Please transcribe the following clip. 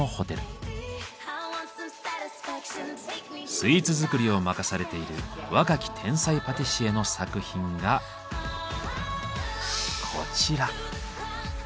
スイーツ作りを任されている若き天才パティシエの作品がこちら。